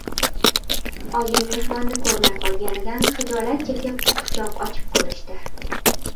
Oyim mehmonni ko‘rmay qolganidan xijolat chekib quchoq ochib ko‘rishdi.